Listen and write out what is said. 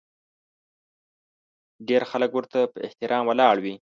ډېر خلک ورته په احترام ولاړ وي.